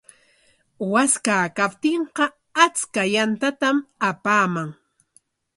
Waskaa kaptinqa achka yantatam apaaman.